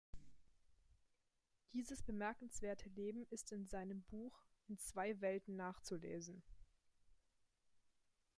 Dieses bemerkenswerte Leben ist in seinem Buch "In zwei Welten" nachzulesen.